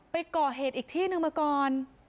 ไปก่อเหตุอีกที่นึงมาก่อน